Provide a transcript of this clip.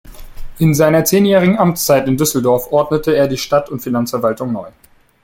In seiner zehnjährigen Amtszeit in Düsseldorf ordnete er die Stadt- und Finanzverwaltung neu.